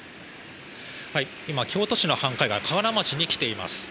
今、京都市の繁華街河原町に来ています。